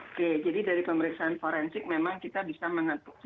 oke jadi dari pemeriksaan forensik memang kita bisa mengetuk